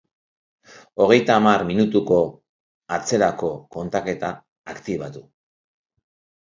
Hogeita hamar minutuko atzerako kontaketa aktibatu.